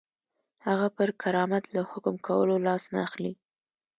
هغه پر کرامت له حکم کولو لاس نه اخلي.